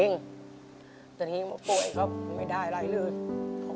ต้องเบบน้องอายุเท่าไหร่อ่ะย่ากตกแรง